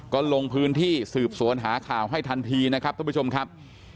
ก็ลงพื้นที่สืบสวนหาข่าวให้ทันทีนะครับท่านผู้ชมครับ